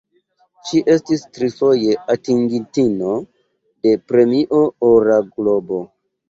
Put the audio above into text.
Ŝi estis trifoje atingintino de Premio Ora Globo.